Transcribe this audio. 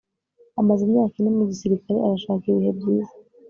Amaze imyaka ine mu gisirikare arashaka ibihe byiza